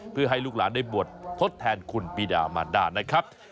เพื่อให้ลูกหลานได้บวชทดแทนคุณปีดามารดานะครับ